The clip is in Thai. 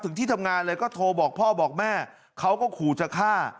ที่ทำงานเลยก็โทรบอกพ่อบอกแม่เขาก็ขู่จะฆ่า